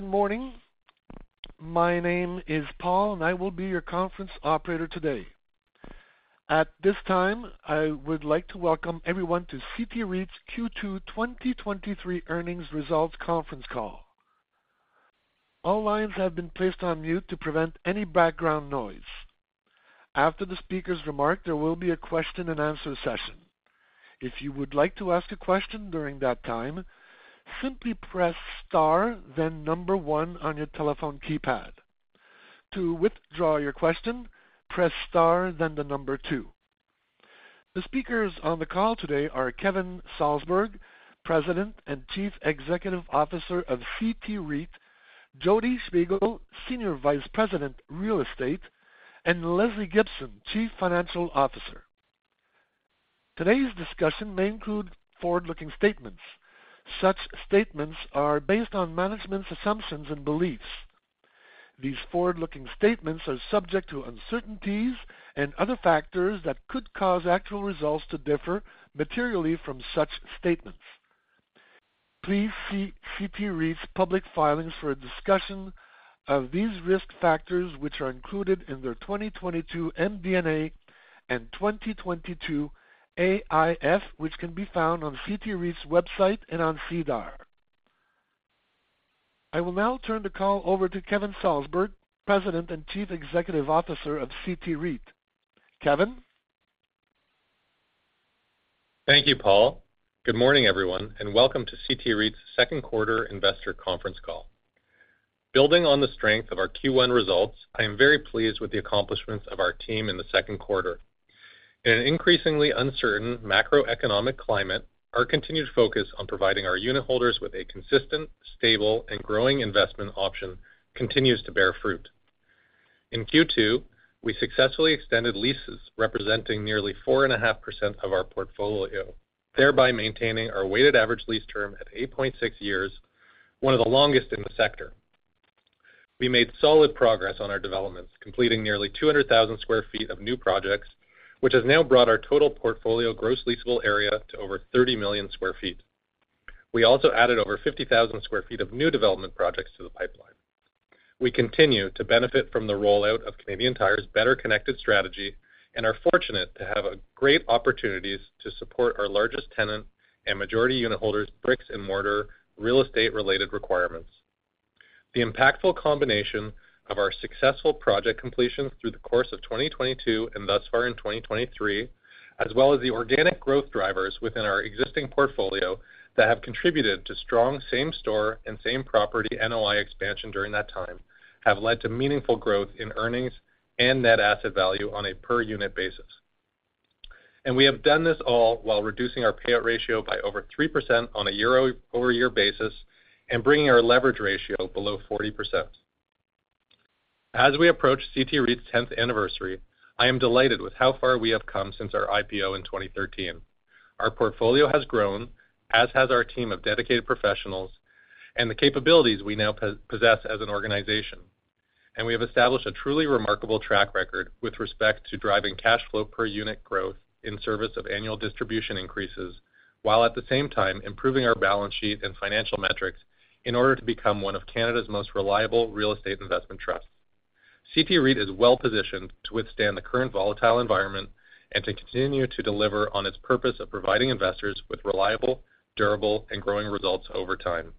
Good morning. My name is Paul. I will be your conference operator today. At this time, I would like to welcome everyone to CT REIT's Q2 2023 earnings results conference call. All lines have been placed on mute to prevent any background noise. After the speaker's remark, there will be a question and answer session. If you would like to ask a question during that time, simply press star, then 1 on your telephone keypad. To withdraw your question, press star, then the 2. The speakers on the call today are Kevin Salsberg, President and Chief Executive Officer of CT REIT; Jodi Shpigel, Senior Vice President, Real Estate; and Lesley Gibson, Chief Financial Officer. Today's discussion may include forward-looking statements. Such statements are based on management's assumptions and beliefs. These forward-looking statements are subject to uncertainties and other factors that could cause actual results to differ materially from such statements. Please see CT REIT's public filings for a discussion of these risk factors, which are included in their 2022 MD&A and 2022 AIF, which can be found on CT REIT's website and on SEDAR. I will now turn the call over to Kevin Salsberg, President and Chief Executive Officer of CT REIT. Kevin? Thank you, Paul. Good morning, everyone, welcome to CT REIT's second quarter investor conference call. Building on the strength of our Q1 results, I am very pleased with the accomplishments of our team in the second quarter. In an increasingly uncertain macroeconomic climate, our continued focus on providing our unit holders with a consistent, stable, and growing investment option continues to bear fruit. In Q2, we successfully extended leases representing nearly 4.5% of our portfolio, thereby maintaining our weighted average lease term at 8.6 years, one of the longest in the sector. We made solid progress on our developments, completing nearly 200,000 sq ft of new projects, which has now brought our total portfolio gross leasable area to over 30 million sq ft. We also added over 50,000 sq ft of new development projects to the pipeline. We continue to benefit from the rollout of Canadian Tire's Better Connected strategy and are fortunate to have great opportunities to support our largest tenant and majority unit holders, bricks-and-mortar, real estate-related requirements. The impactful combination of our successful project completions through the course of 2022 and thus far in 2023, as well as the organic growth drivers within our existing portfolio that have contributed to strong same-store and same-property NOI expansion during that time, have led to meaningful growth in earnings and net asset value on a per-unit basis. We have done this all while reducing our payout ratio by over 3% on a year-over-year basis and bringing our leverage ratio below 40%. As we approach CT REIT's 10th anniversary, I am delighted with how far we have come since our IPO in 2013. Our portfolio has grown, as has our team of dedicated professionals and the capabilities we now possess as an organization. We have established a truly remarkable track record with respect to driving cash flow per unit growth in service of annual distribution increases, while at the same time improving our balance sheet and financial metrics in order to become one of Canada's most reliable real estate investment trusts. CT REIT is well-positioned to withstand the current volatile environment and to continue to deliver on its purpose of providing investors with reliable, durable, and growing results over time.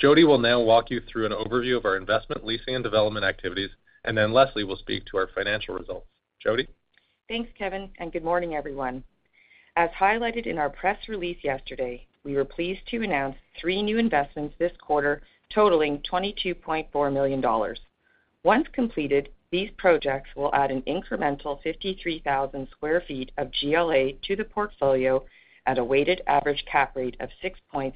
Jodi will now walk you through an overview of our investment, leasing, and development activities, and then Lesley will speak to our financial results. Jodi? Thanks, Kevin, and good morning, everyone. As highlighted in our press release yesterday, we were pleased to announce three new investments this quarter, totaling 22.4 million dollars. Once completed, these projects will add an incremental 53,000 sq ft of GLA to the portfolio at a weighted average cap rate of 6.63%.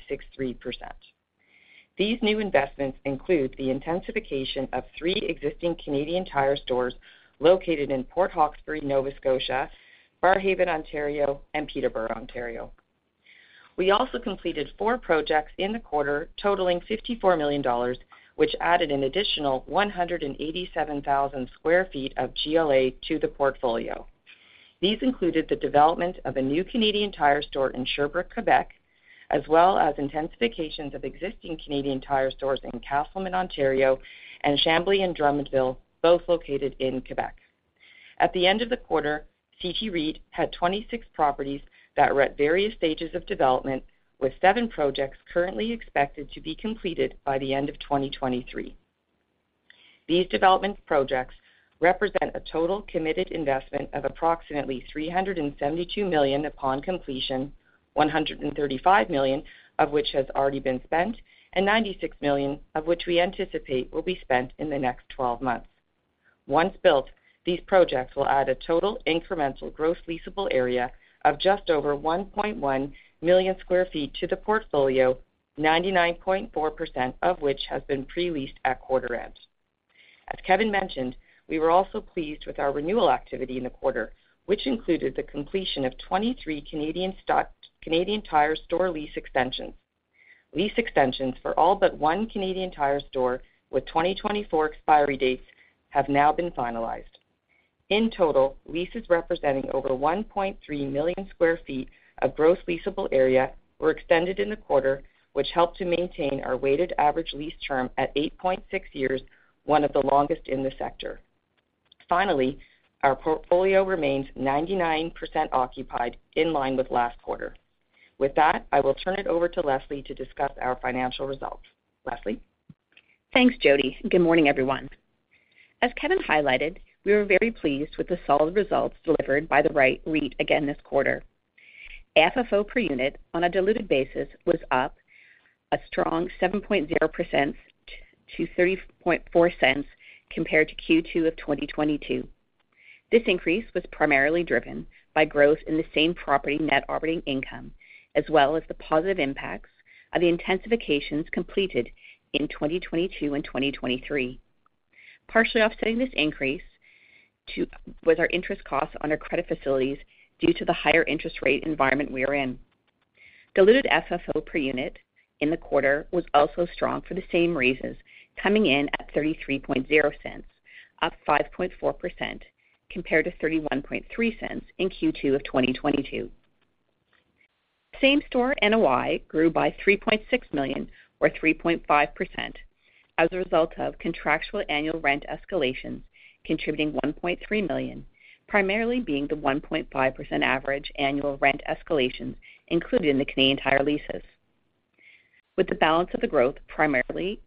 These new investments include the intensification of three existing Canadian Tire stores located in Port Hawkesbury, Nova Scotia, Barrhaven, Ontario, and Peterborough, Ontario. We also completed four projects in the quarter, totaling 54 million dollars, which added an additional 187,000 sq ft of GLA to the portfolio. These included the development of a new Canadian Tire store in Sherbrooke, Quebec, as well as intensifications of existing Canadian Tire stores in Casselman, Ontario, and Chambly and Drummondville, both located in Quebec. At the end of the quarter, CT REIT had 26 properties that were at various stages of development, with seven projects currently expected to be completed by the end of 2023. These development projects represent a total committed investment of approximately 372 million upon completion, 135 million of which has already been spent, and 96 million of which we anticipate will be spent in the next 12 months. Once built, these projects will add a total incremental gross leasable area of just over 1.1 million sq ft to the portfolio, 99.4% of which has been pre-leased at quarter end. As Kevin mentioned, we were also pleased with our renewal activity in the quarter, which included the completion of 23 Canadian Tire store lease extensions. Lease extensions for all but one Canadian Tire store with 2024 expiry dates have now been finalized. In total, leases representing over 1.3 million sq ft of gross leasable area were extended in the quarter, which helped to maintain our weighted average lease term at 8.6 years, one of the longest in the sector. Finally, our portfolio remains 99% occupied, in line with last quarter. With that, I will turn it over to Leslie to discuss our financial results. Leslie? Thanks, Jodi. Good morning, everyone. As Kevin highlighted, we were very pleased with the solid results delivered by the Wright REIT again this quarter. FFO per unit on a diluted basis was up a strong 7.0% to 0.304 compared to Q2 of 2022. This increase was primarily driven by growth in the same property Net Operating Income, as well as the positive impacts of the intensifications completed in 2022 and 2023. Partially offsetting this increase was our interest costs on our credit facilities due to the higher interest rate environment we are in. Diluted FFO per unit in the quarter was also strong for the same reasons, coming in at 0.330, up 5.4% compared to 0.313 in Q2 of 2022. Same-store NOI grew by 3.6 million, or 3.5%, as a result of contractual annual rent escalations, contributing 1.3 million, primarily being the 1.5% average annual rent escalations included in the Canadian Tire leases. With the balance of the growth, primarily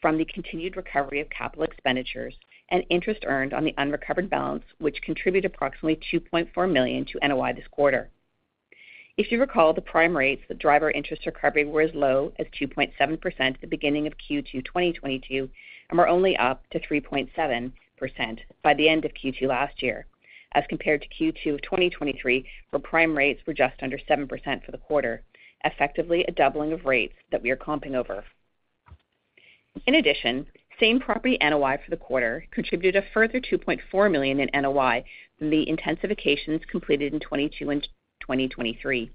from the continued recovery of capital expenditures and interest earned on the unrecovered balance, which contributed approximately 2.4 million to NOI this quarter. If you recall, the prime rates that drive our interest recovery were as low as 2.7% at the beginning of Q2 2022, and were only up to 3.7% by the end of Q2 last year, as compared to Q2 of 2023, where prime rates were just under 7% for the quarter, effectively a doubling of rates that we are comping over. In addition, same-property NOI for the quarter contributed a further 2.4 million in NOI from the intensifications completed in 2022 and 2023.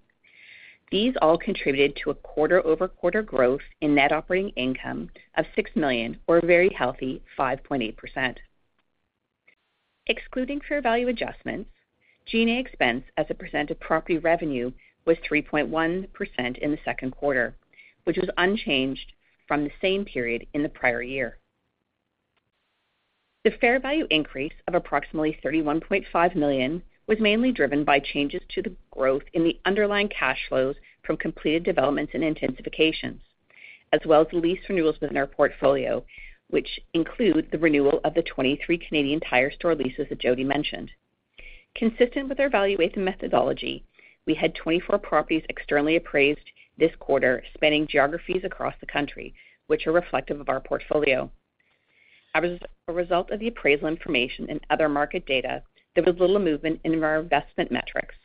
These all contributed to a quarter-over-quarter growth in net operating income of 6 million, or a very healthy 5.8%. Excluding fair value adjustments, G&A expense as a percent of property revenue was 3.1% in the second quarter, which was unchanged from the same period in the prior year. The fair value increase of approximately 31.5 million was mainly driven by changes to the growth in the underlying cash flows from completed developments and intensifications, as well as the lease renewals within our portfolio, which include the renewal of the 23 Canadian Tire store leases that Jodi mentioned. Consistent with our valuation methodology, we had 24 properties externally appraised this quarter, spanning geographies across the country, which are reflective of our portfolio. As a result of the appraisal information and other market data, there was little movement in our investment metrics,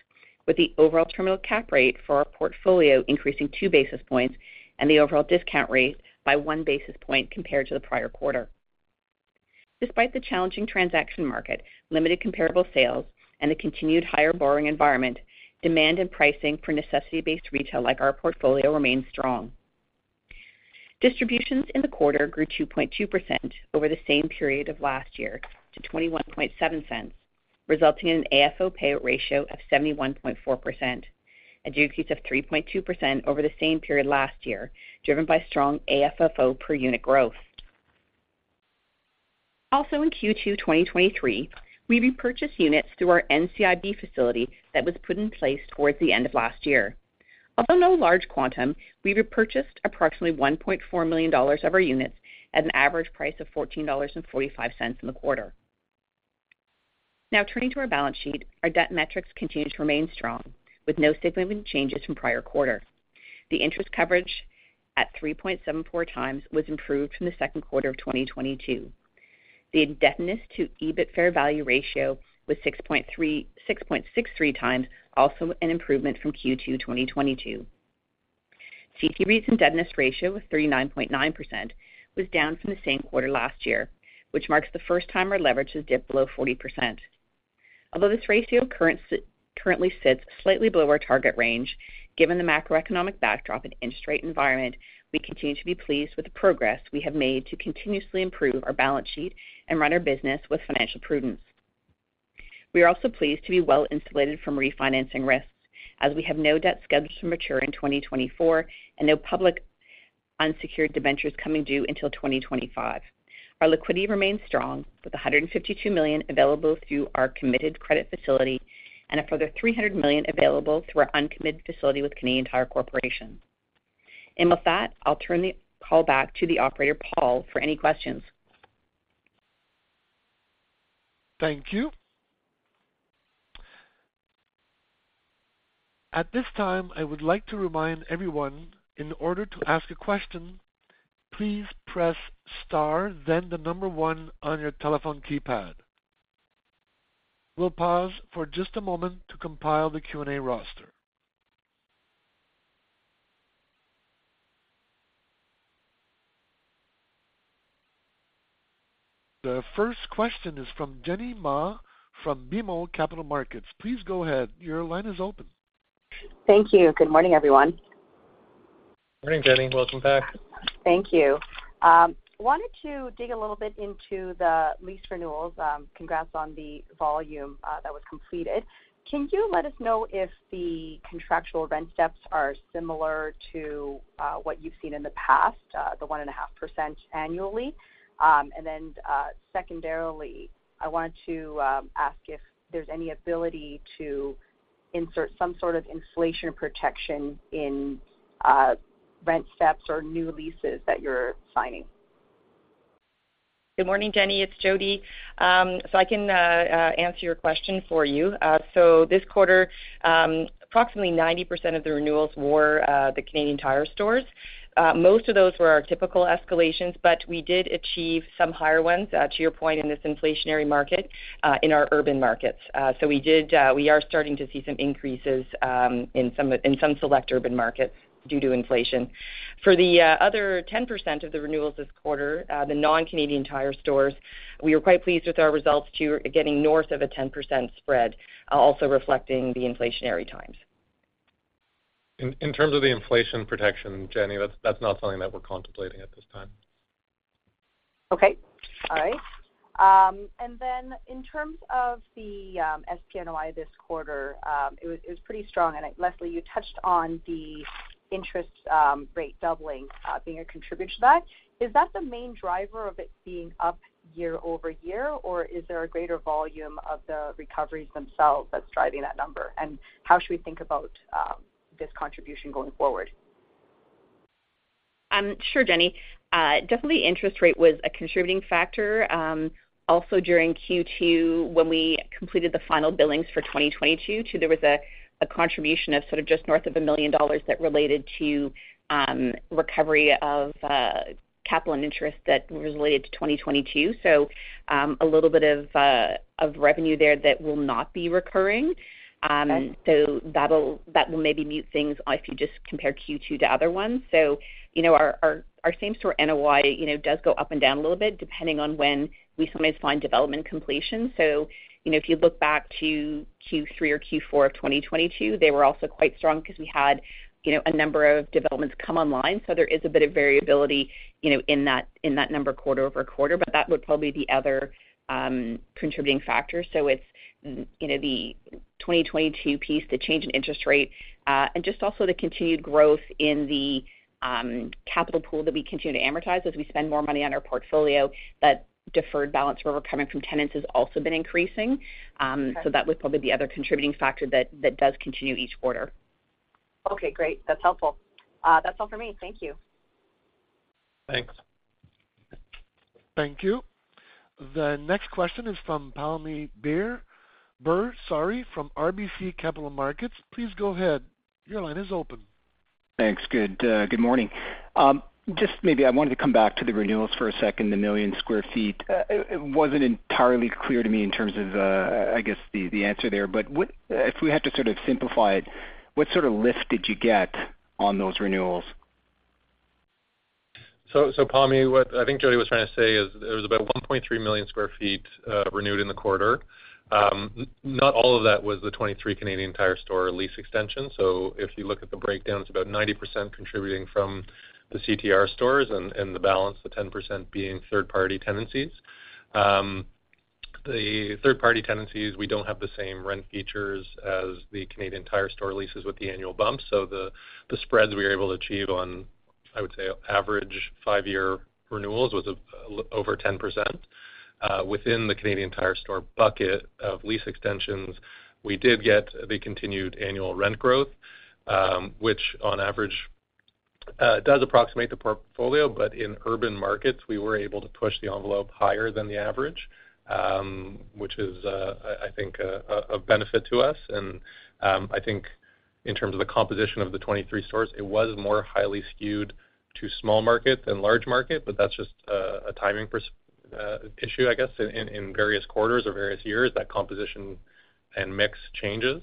with the overall terminal cap rate for our portfolio increasing 2 basis points and the overall discount rate by 1 basis point compared to the prior quarter. Despite the challenging transaction market, limited comparable sales and a continued higher borrowing environment, demand and pricing for necessity-based retail like our portfolio remains strong. Distributions in the quarter grew 2.2% over the same period of last year to 0.217, resulting in an AFFO payout ratio of 71.4%, a decrease of 3.2% over the same period last year, driven by strong AFFO per unit growth. In Q2 2023, we repurchased units through our NCIB facility that was put in place towards the end of last year. Although no large quantum, we repurchased approximately 1.4 million dollars of our units at an average price of 14.45 dollars in the quarter. Turning to our balance sheet, our debt metrics continue to remain strong, with no significant changes from prior quarter. The interest coverage at 3.74 times was improved from the second quarter of 2022. The indebtedness to EBIT EBITDAFV ratio was 6.63 times, also an improvement from Q2 2022. CT REIT's indebtedness ratio of 39.9% was down from the same quarter last year, which marks the first time our leverage has dipped below 40%. Although this ratio currently sits slightly below our target range, given the macroeconomic backdrop and interest rate environment, we continue to be pleased with the progress we have made to continuously improve our balance sheet and run our business with financial prudence. We are also pleased to be well insulated from refinancing risks, as we have no debt scheduled to mature in 2024 and no public unsecured debentures coming due until 2025. Our liquidity remains strong, with 152 million available through our committed credit facility and a further 300 million available through our uncommitted facility with Canadian Tire Corporation. With that, I'll turn the call back to the operator, Paul, for any questions. Thank you. At this time, I would like to remind everyone, in order to ask a question, please press star, then the number 1 on your telephone keypad. We'll pause for just a moment to compile the Q&A roster. The first question is from Jenny Ma from BMO Capital Markets. Please go ahead. Your line is open. Thank you. Good morning, everyone. Morning, Jenny. Welcome back. Thank you. Wanted to dig a little bit into the lease renewals. Congrats on the volume that was completed. Can you let us know if the contractual rent steps are similar to what you've seen in the past, the 1.5% annually? Secondarily, I wanted to ask if there's any ability to insert some sort of inflation protection in rent steps or new leases that you're signing. Good morning, Jenny. It's Jody. I can answer your question for you. This quarter, approximately 90% of the renewals were the Canadian Tire stores. Most of those were our typical escalations, but we did achieve some higher ones, to your point, in this inflationary market, in our urban markets. We are starting to see some increases, in some, in some select urban markets due to inflation. For the other 10% of the renewals this quarter, the non-Canadian Tire stores, we were quite pleased with our results to getting north of a 10% spread, also reflecting the inflationary times. In, in terms of the inflation protection, Jenny, that's, that's not something that we're contemplating at this time. Okay. All right. In terms of the SPNOI this quarter, it was pretty strong. Leslie, you touched on the interest rate doubling being a contributor to that. Is that the main driver of it being up year-over-year, or is there a greater volume of the recoveries themselves that's driving that number? How should we think about this contribution going forward? Sure, Jenny. Definitely interest rate was a contributing factor. Also during Q2, when we completed the final billings for 2022, too, there was a contribution of sort of just north of 1 million dollars that related to recovery of capital and interest that was related to 2022. A little bit of revenue there that will not be recurring. Okay. That'll- that will maybe mute things if you just compare Q2 to other ones. You know, our, our, our same-store NOI, you know, does go up and down a little bit, depending on when we sometimes find development completion. You know, if you look back to Q3 or Q4 of 2022, they were also quite strong because we had, you know, a number of developments come online. There is a bit of variability, you know, in that, in that number quarter-over-quarter, but that would probably be the other contributing factor. It's, you know, the 2022 piece, the change in interest rate, and just also the continued growth in the capital pool that we continue to amortize. As we spend more money on our portfolio, that deferred balance we're recovering from tenants has also been increasing. Okay. That was probably the other contributing factor that, that does continue each quarter. Okay, great. That's helpful. That's all for me. Thank you. Thanks. Thank you. The next question is from Pammi Bir, Burr, sorry, from RBC Capital Markets. Please go ahead. Your line is open. Thanks. Good, good morning. Just maybe I wanted to come back to the renewals for a second, the million square feet. It wasn't entirely clear to me in terms of, I guess, the answer there. If we had to sort of simplify it, what sort of lift did you get on those renewals? So, Pammi, what I think Jodi was trying to say is, there was about 1.3 million sq ft renewed in the quarter. Not all of that was the 23 Canadian Tire store lease extension. If you look at the breakdown, it's about 90% contributing from the CTR stores and the balance, the 10% being third-party tenancies. The third-party tenancies, we don't have the same rent features as the Canadian Tire store leases with the annual bump, so the spreads we were able to achieve on, I would say, average five-year renewals was over 10%. Within the Canadian Tire store bucket of lease extensions, we did get the continued annual rent growth, which on average, does approximate the portfolio, but in urban markets, we were able to push the envelope higher than the average, which is, I, I think, a, a, a benefit to us. I think in terms of the composition of the 23 stores, it was more highly skewed to small market than large market, but that's just, a timing pers- issue, I guess, in, in various quarters or various years, that composition and mix changes.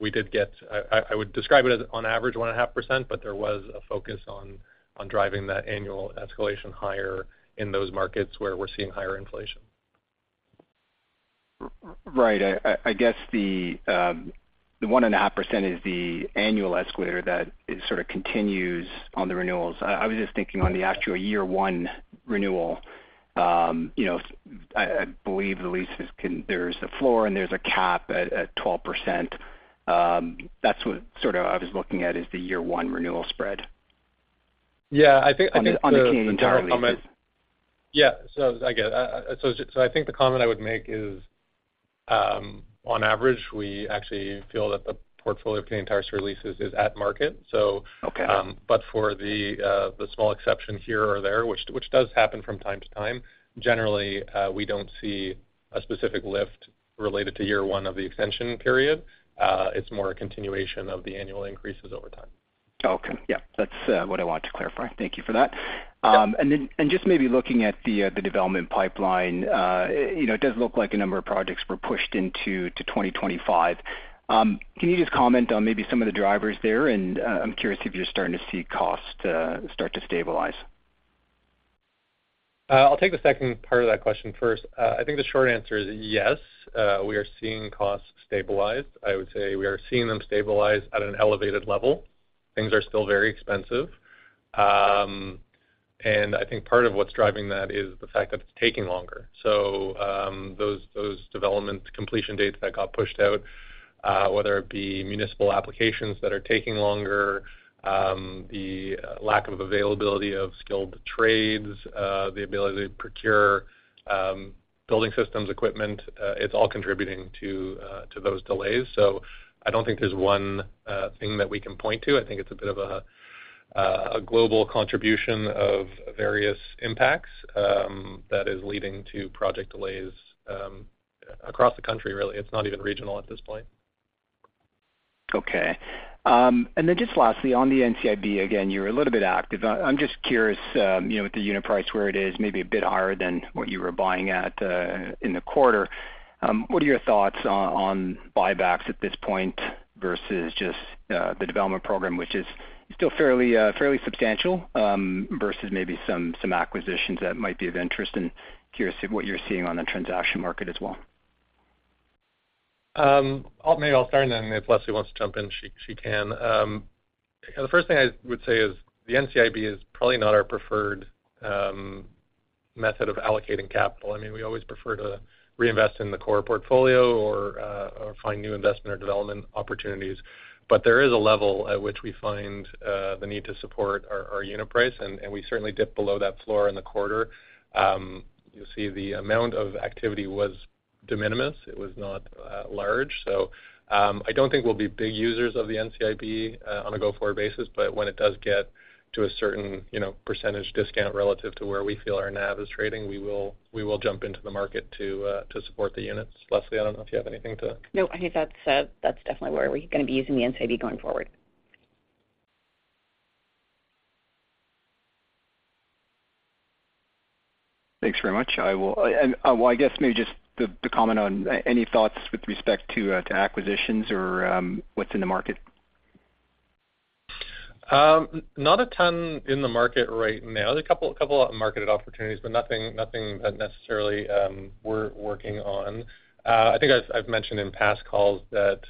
We did get... I, I, I would describe it as on average, 1.5%, but there was a focus on, on driving that annual escalation higher in those markets where we're seeing higher inflation. Right. I guess the 1.5% is the annual escalator that it sort of continues on the renewals. I was just thinking on the actual year 1 renewal, you know, I believe the leases there's a floor, and there's a cap at 12%. That's what sort of I was looking at, is the year one renewal spread. Yeah. On the Canadian Tire leases. Yeah. I get it. So I think the comment I would make is, on average, we actually feel that the portfolio of Canadian Tire store leases is at market. So. Okay. For the, the small exception here or there, which does happen from time to time, generally, we don't see a specific lift related to year one of the extension period. It's more a continuation of the annual increases over time. Okay. Yeah, that's what I wanted to clarify. Thank you for that. Yep. Just maybe looking at the development pipeline, you know, it does look like a number of projects were pushed into, to 2025. Can you just comment on maybe some of the drivers there? I'm curious if you're starting to see costs start to stabilize. I'll take the second part of that question first. I think the short answer is yes, we are seeing costs stabilize. I would say we are seeing them stabilize at an elevated level. Things are still very expensive. And I think part of what's driving that is the fact that it's taking longer. Those, those development completion dates that got pushed out, whether it be municipal applications that are taking longer, the lack of availability of skilled trades, the ability to procure, building systems, equipment, it's all contributing to those delays. I don't think there's one thing that we can point to. I think it's a bit of a global contribution of various impacts, that is leading to project delays, across the country, really. It's not even regional at this point. Okay. Then just lastly, on the NCIB, again, you're a little bit active. I'm just curious, you know, with the unit price where it is, maybe a bit higher than what you were buying at in the quarter, what are your thoughts on buybacks at this point versus just the development program, which is still fairly fairly substantial, versus maybe some acquisitions that might be of interest, and curious to what you're seeing on the transaction market as well? maybe I'll start, and then if Lesley wants to jump in, she, she can. The first thing I would say is the NCIB is probably not our preferred method of allocating capital. I mean, we always prefer to reinvest in the core portfolio or find new investment or development opportunities. There is a level at which we find the need to support our, our unit price, and, and we certainly dip below that floor in the quarter. You'll see the amount of activity was de minimis. It was not large. I don't think we'll be big users of the NCIB on a go-forward basis, but when it does get to a certain, you know, percentage discount relative to where we feel our NAV is trading, we will, we will jump into the market to support the units. Lesley, I don't know if you have anything to. No, I think that's, that's definitely where we're going to be using the NCIB going forward. Thanks very much. Well, I guess maybe just the, to comment on any thoughts with respect to to acquisitions or what's in the market? Not a ton in the market right now. There's a couple, couple of marketed opportunities, but nothing, nothing that necessarily we're working on. I think I've, I've mentioned in past calls that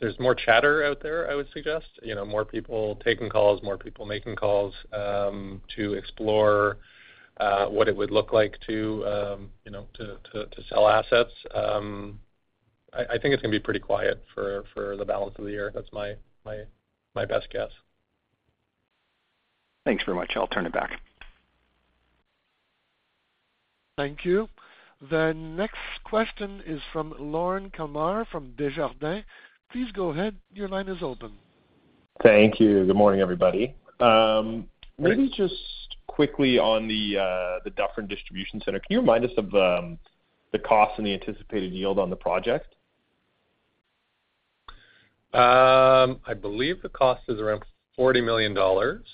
there's more chatter out there, I would suggest. You know, more people taking calls, more people making calls to explore what it would look like to, you know, to, to, to sell assets. I, I think it's going to be pretty quiet for, for the balance of the year. That's my, my, my best guess. Thanks very much. I'll turn it back. Thank you. The next question is from Lorne Kalmar, from Desjardins. Please go ahead. Your line is open. Thank you. Good morning, everybody. Good- Maybe just quickly on the Dufferin distribution center. Can you remind us of the cost and the anticipated yield on the project? I believe the cost is around 40 million dollars.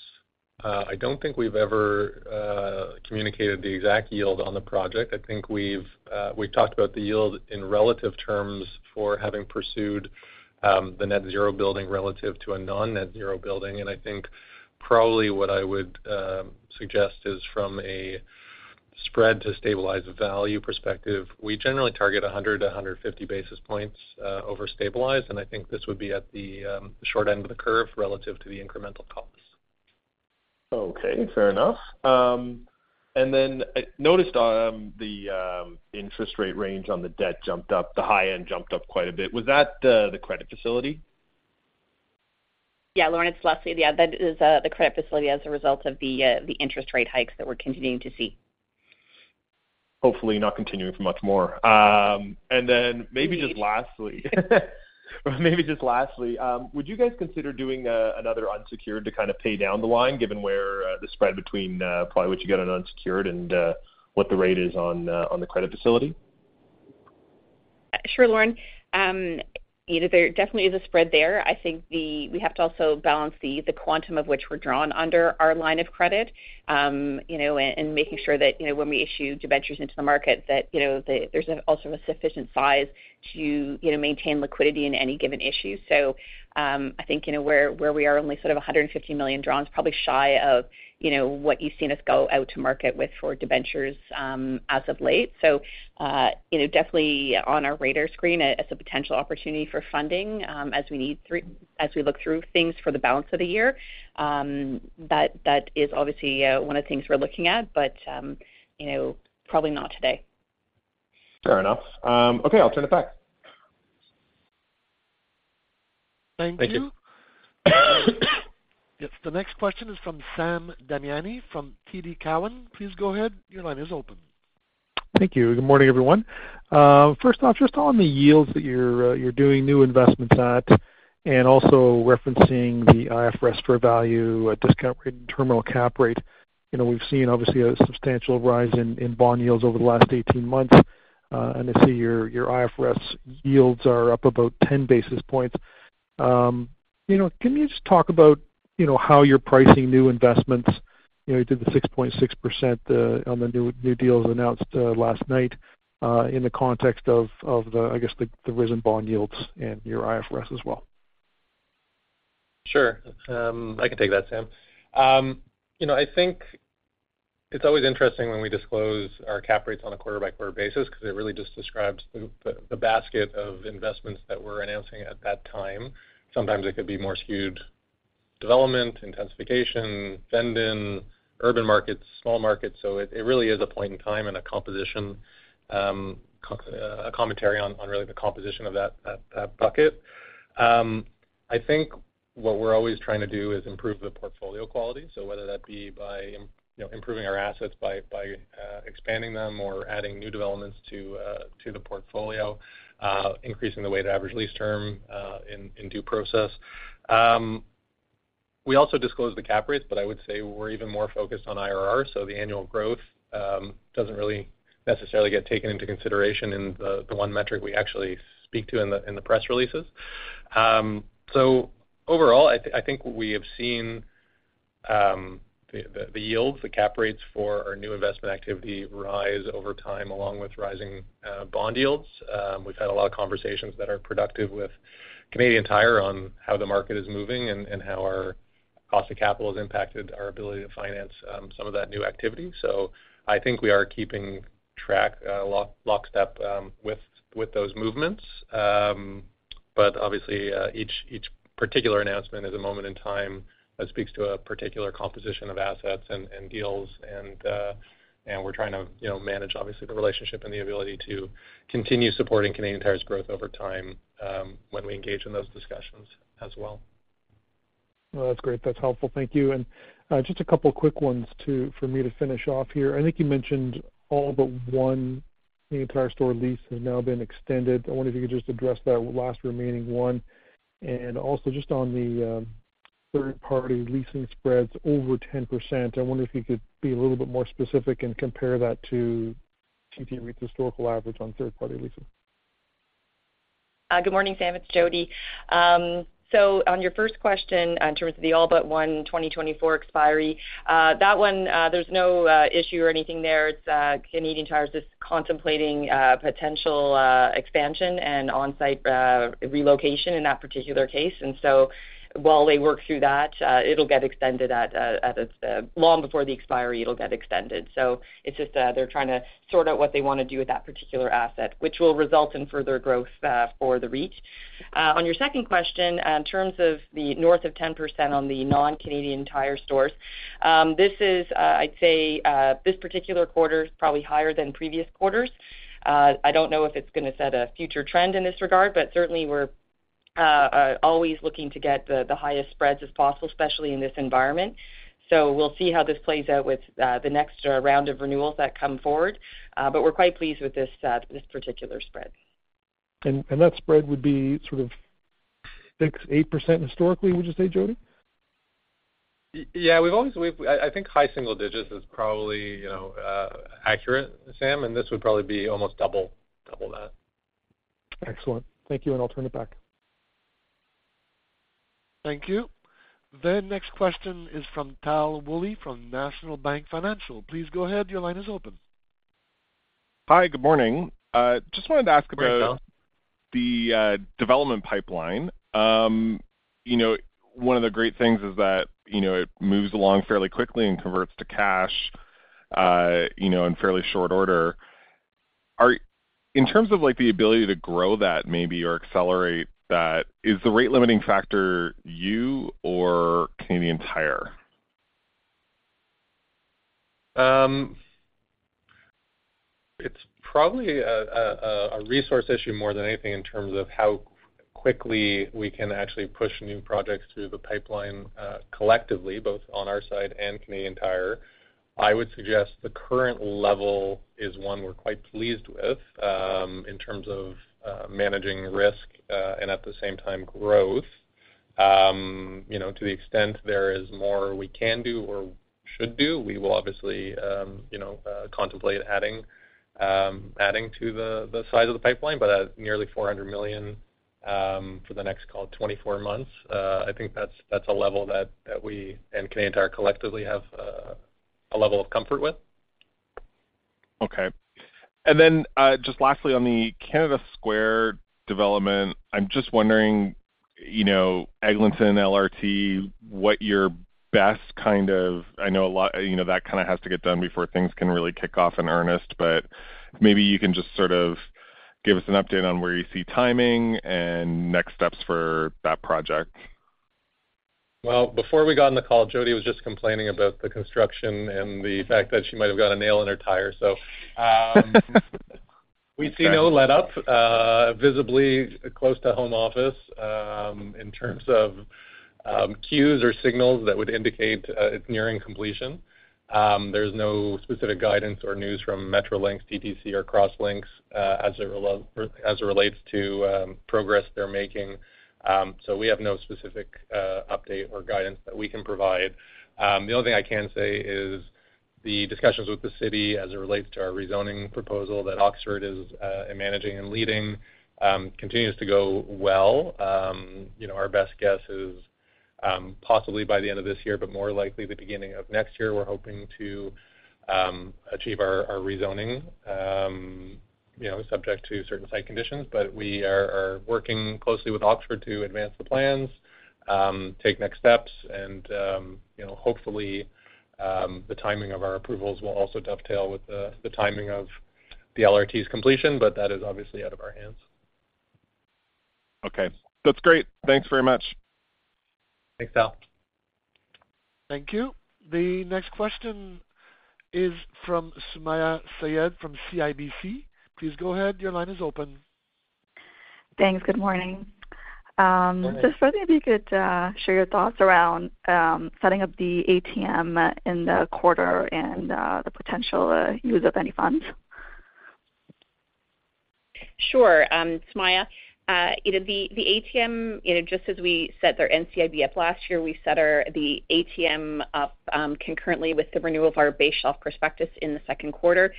I don't think we've ever communicated the exact yield on the project. I think we've we've talked about the yield in relative terms for having pursued the net zero building relative to a non-net zero building. I think probably what I would suggest is from a spread to stabilize the value perspective, we generally target 100 to 150 basis points over stabilize, and I think this would be at the short end of the curve relative to the incremental costs. Okay, fair enough. Then I noticed, the, interest rate range on the debt jumped up, the high end jumped up quite a bit. Was that the credit facility? Lauren, it's Lesley. That is the credit facility as a result of the interest rate hikes that we're continuing to see. Hopefully not continuing for much more. Then maybe just lastly, maybe just lastly, would you guys consider doing another unsecured to kind of pay down the line, given where the spread between probably what you get on unsecured and what the rate is on on the credit facility? Sure, Lauren. You know, there definitely is a spread there. I think we have to also balance the, the quantum of which we're drawn under our line of credit, you know, and, and making sure that, you know, when we issue debentures into the market, that, you know, there's also a sufficient size to, you know, maintain liquidity in any given issue. I think, you know, where, where we are only sort of 150 million drawn is probably shy of, you know, what you've seen us go out to market with for debentures, as of late. You know, definitely on our radar screen as, as a potential opportunity for funding, as we need as we look through things for the balance of the year. That, that is obviously, one of the things we're looking at, but, you know, probably not today. Fair enough. Okay, I'll turn it back. Thank you. Thank you. Yes, the next question is from Sam Damiani, from TD Cowen. Please go ahead. Your line is open. Thank you. Good morning, everyone. First off, just on the yields that you're doing new investments at, and also referencing the IFRS value, discount rate and terminal cap rate. You know, we've seen, obviously, a substantial rise in bond yields over the last 18 months, and I see your IFRS yields are up about 10 basis points. You know, can you just talk about, you know, how you're pricing new investments? You know, you did the 6.6% on the new, new deals announced last night, in the context of the, I guess, the risen bond yields and your IFRS as well. Sure. I can take that, Sam. You know, I think it's always interesting when we disclose our cap rates on a quarter-by-quarter basis, because it really just describes the, the, the basket of investments that we're announcing at that time. Sometimes it could be more skewed development, intensification, and in, urban markets, small markets. So it, it really is a point in time and a composition, co- a commentary on, on really the composition of that, that, that bucket. I think what we're always trying to do is improve the portfolio quality. So whether that be by, im- you know, improving our assets by, by, expanding them or adding new developments to, to the portfolio, increasing the weighted average lease term, in, in due process. We also disclose the cap rates, but I would say we're even more focused on IRR, so the annual growth doesn't really necessarily get taken into consideration in the, the one metric we actually speak to in the, in the press releases. Overall, I think we have seen the, the, the yields, the cap rates for our new investment activity rise over time, along with rising bond yields. We've had a lot of conversations that are productive with Canadian Tire on how the market is moving and, and how our cost of capital has impacted our ability to finance some of that new activity. I think we are keeping track lock, lockstep with, with those movements. Obviously, each particular announcement is a moment in time that speaks to a particular composition of assets and deals. We're trying to, you know, manage obviously the relationship and the ability to continue supporting Canadian Tire's growth over time, when we engage in those discussions as well. Well, that's great. That's helpful. Thank you. Just a couple quick ones, too, for me to finish off here. I think you mentioned all but one Canadian Tire store lease has now been extended. I wonder if you could just address that last remaining one. Also, just on the third-party leasing spreads over 10%, I wonder if you could be a little bit more specific and compare that to CT REIT's historical average on third-party leasing. Good morning, Sam, it's Jodi. On your first question, in terms of the all but 1 2024 expiry, that one, there's no issue or anything there. It's, Canadian Tire is just contemplating potential expansion and on-site relocation in that particular case. While they work through that, it'll get extended. Long before the expiry, it'll get extended. It's just, they're trying to sort out what they want to do with that particular asset, which will result in further growth for the REIT. On your second question, in terms of the north of 10% on the non-Canadian Tire stores, this is, I'd say, this particular quarter is probably higher than previous quarters. I don't know if it's gonna set a future trend in this regard, but certainly we're always looking to get the highest spreads as possible, especially in this environment. We'll see how this plays out with the next round of renewals that come forward. We're quite pleased with this particular spread. And that spread would be sort of 6%-8% historically, would you say, Jodi? Yeah, we've always, I, I think high single digits is probably, you know, accurate, Sam, and this would probably be almost double, double that. Excellent. Thank you, I'll turn it back. Thank you. The next question is from Tal Woolley from National Bank Financial. Please go ahead. Your line is open. Hi, good morning. Just wanted to ask about. Good morning, Tal. The development pipeline. You know, one of the great things is that, you know, it moves along fairly quickly and converts to cash, you know, in fairly short order. In terms of, like, the ability to grow that maybe or accelerate that, is the rate limiting factor you or Canadian Tire? It's probably a resource issue more than anything in terms of how quickly we can actually push new projects through the pipeline, collectively, both on our side and Canadian Tire. I would suggest the current level is one we're quite pleased with, in terms of managing risk, and at the same time, growth. You know, to the extent there is more we can do or should do, we will obviously, you know, contemplate adding, adding to the, the size of the pipeline. At nearly 400 million, for the next, call it 24 months, I think that's, that's a level that, that we and Canadian Tire collectively have a level of comfort with. Okay. Then, just lastly, on the Canada Square development, I'm just wondering, you know, Eglinton LRT, what your best kind of... I know a lot, you know, that kind of has to get done before things can really kick off in earnest, but maybe you can just sort of give us an update on where you see timing and next steps for that project. Well, before we got on the call, Jody was just complaining about the construction and the fact that she might have got a nail in her tire, so, We see no letup, visibly close to home office, in terms of cues or signals that would indicate it's nearing completion. There's no specific guidance or news from Metrolinx, TTC, or Crosslinx, as it relates to progress they're making. We have no specific update or guidance that we can provide. The only thing I can say is the discussions with the city as it relates to our rezoning proposal that Oxford is managing and leading, continues to go well. You know, our best guess is, possibly by the end of this year, but more likely the beginning of next year, we're hoping to achieve our rezoning, you know, subject to certain site conditions, but we are working closely with Oxford to advance the plans, take next steps and, you know, hopefully, the timing of our approvals will also dovetail with the timing of the LRT's completion, but that is obviously out of our hands. Okay. That's great. Thanks very much. Thanks, Tal. Thank you. The next question is from Sumayya Syed from CIBC. Please go ahead. Your line is open. Thanks. Good morning. Good morning. Just wondering if you could share your thoughts around setting up the ATM in the quarter and the potential use of any funds? Sure, Sumaiya. You know, the, the ATM, you know, just as we set their NCIB up last year, we set the ATM up concurrently with the renewal of our base shelf prospectus in the second quarter.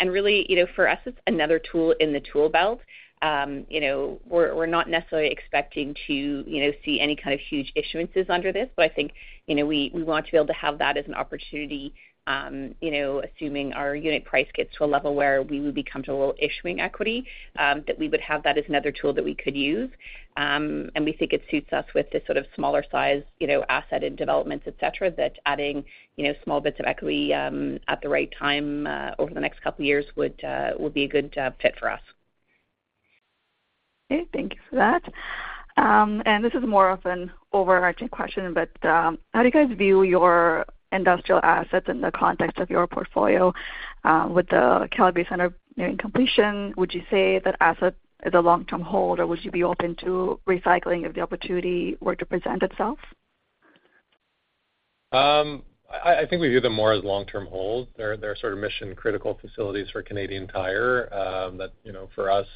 Really, you know, for us, it's another tool in the tool belt. You know, we're, we're not necessarily expecting to, you know, see any kind of huge issuances under this, but I think, you know, we, we want to be able to have that as an opportunity, you know, assuming our unit price gets to a level where we would be comfortable issuing equity, that we would have that as another tool that we could use. We think it suits us with this sort of smaller size, you know, asset and developments, et cetera, that adding, you know, small bits of equity at the right time over the next couple of years would be a good fit for us. Okay. Thank you for that. This is more of an overarching question, how do you guys view your industrial assets in the context of your portfolio, with the Calgary Centre nearing completion? Would you say that asset is a long-term hold, or would you be open to recycling if the opportunity were to present itself? I, I think we view them more as long-term holds. They're, they're sort of mission-critical facilities for Canadian Tire. That, you know, for us,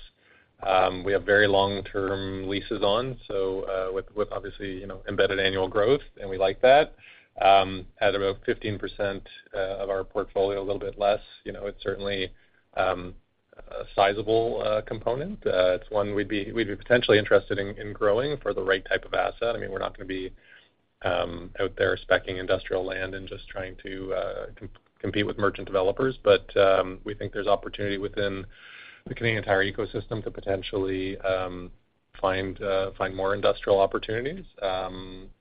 we have very long-term leases on, so, with, with obviously, you know, embedded annual growth, and we like that. At about 15%, of our portfolio, a little bit less, you know, it's certainly, a sizable, component. It's one we'd be, we'd be potentially interested in, in growing for the right type of asset. I mean, we're not gonna be, out there speccing industrial land and just trying to compete with merchant developers. We think there's opportunity within the Canadian Tire ecosystem to potentially, find, find more industrial opportunities. I,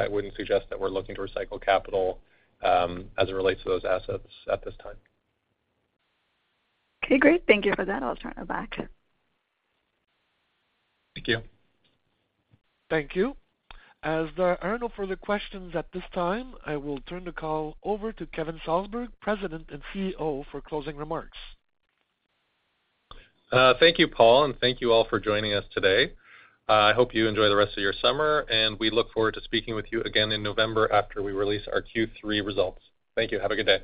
I wouldn't suggest that we're looking to recycle capital, as it relates to those assets at this time. Okay, great. Thank you for that. I'll turn it back. Thank you. Thank you. As there are no further questions at this time, I will turn the call over to Kevin Salsberg, President and CEO, for closing remarks. Thank you, Paul, and thank you all for joining us today. I hope you enjoy the rest of your summer. We look forward to speaking with you again in November after we release our Q3 results. Thank you. Have a good day.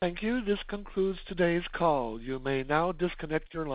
Thank you. This concludes today's call. You may now disconnect your lines.